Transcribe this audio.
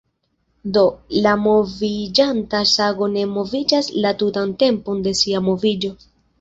Do, la moviĝanta sago ne moviĝas la tutan tempon de sia moviĝo".